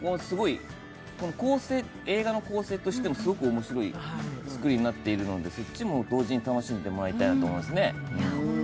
映画の構成としてもすごく面白い作りになっているのでそっちも同時に楽しんでもらいたいと思いますね。